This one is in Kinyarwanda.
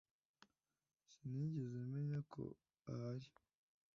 Sinigeze menya ko ahari